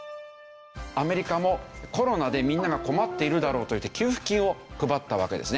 アメリカもコロナでみんなが困っているだろうといって給付金を配ったわけですね。